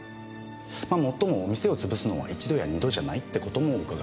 まあもっとも店を潰すのは一度や二度じゃないって事も伺いました。